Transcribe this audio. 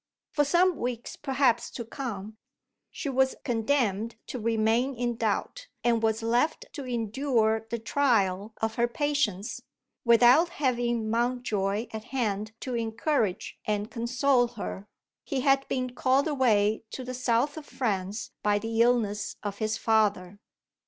For some weeks perhaps to come, she was condemned to remain in doubt, and was left to endure the trial of her patience, without having Mountjoy at hand to encourage and console her. He had been called away to the south of France by the illness of his father.